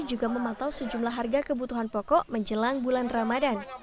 juga memantau sejumlah harga kebutuhan pokok menjelang bulan ramadan